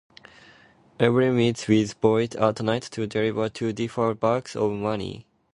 Avery meets with Boyd at night to deliver two duffel bags of money.